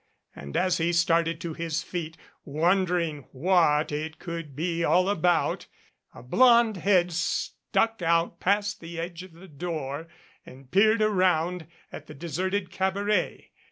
And as he started to his feet, wondering what it could all be about, a blonde head stuck out past the edge of the door and peered around at the deserted cab aret.